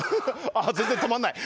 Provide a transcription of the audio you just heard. ああ全然止まんない。